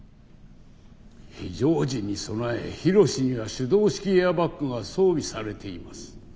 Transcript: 非常時に備え緋炉詩には手動式エアバッグが装備されています。